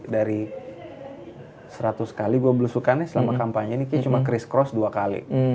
dari seratus kali dua belusukannya selama kampanye ini kayaknya cuma cris cross dua kali